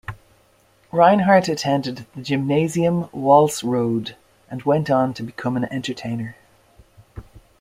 Reinhardt attended the Gymnasium Walsrode and went on to become an entertainer.